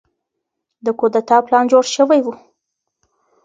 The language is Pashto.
د کودتا پلان جوړ شوی و.